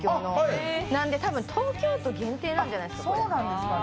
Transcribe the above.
たぶん、東京都限定なんじゃないですか？